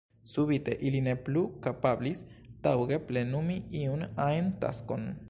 Subite, ili ne plu kapablis taŭge plenumi iun ajn taskon.